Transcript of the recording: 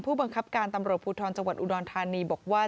ผู้บังคับการตำรวจภูทรจังหวัดอุดรธานีบอกว่า